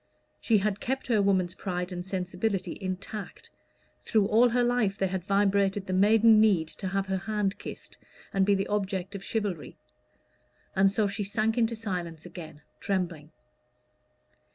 She had kept her woman's pride and sensibility intact: through all her life there had vibrated the maiden need to have her hand kissed and be the object of chivalry. And so she sank into silence again, trembling.